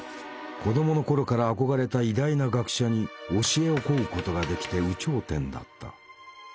子どもの頃から憧れた偉大な学者に教えを請うことができて有頂天だった。